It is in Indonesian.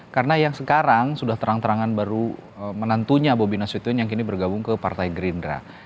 karena yang sekarang sudah terang terangan baru menantunya bobi naswitun yang kini bergabung ke partai gerindra